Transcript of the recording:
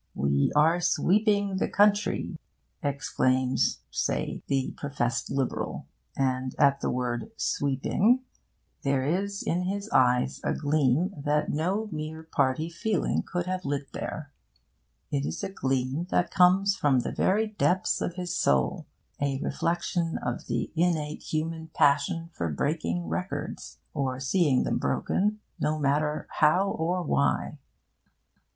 'We are sweeping the country,' exclaims (say) the professed Liberal; and at the word 'sweeping' there is in his eyes a gleam that no mere party feeling could have lit there. It is a gleam that comes from the very depths of his soul a reflection of the innate human passion for breaking records, or seeing them broken, no matter how or why.